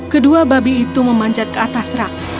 kedua babi itu memanjat ke atas rak